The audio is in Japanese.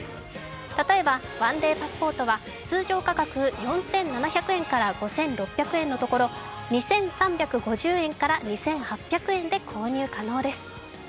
例えばワンデーパスポートは通常価格４７００円から５６００円のところ２３５０円から２８００円で購入可能です。